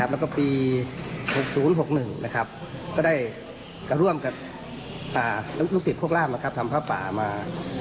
แล้วก็ปี๖๐๖๑ก็ได้ร่วมกับลูกศิษย์โคกร่ามทำผ้าป่ามา